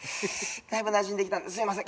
だいぶなじんできたんですみません。